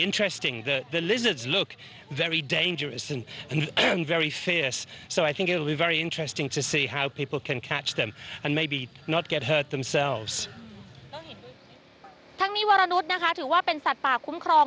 ทั้งนี้วรนุษย์นะคะถือว่าเป็นสัตว์ป่าคุ้มครอง